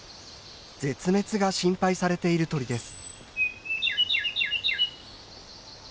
絶滅が心配されている鳥です。